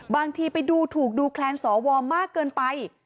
บางทีไปดูถูกดูแคลนสวมากเกินไป